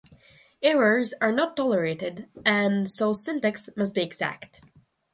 Errors are not tolerated, and so syntax must be exact.